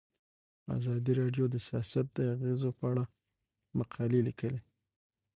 ازادي راډیو د سیاست د اغیزو په اړه مقالو لیکلي.